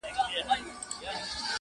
دا سړی څوک وو؟ چي ژړا يې کړم خندا يې کړم